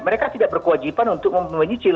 mereka tidak berwajiban untuk menyicil pinjaman itu